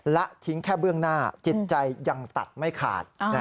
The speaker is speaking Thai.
และทิ้งแค่เบื้องหน้าจิตใจยังตัดไม่ขาด